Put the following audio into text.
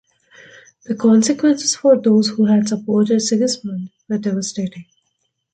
The consequences for those who had supported Sigismund were devastating.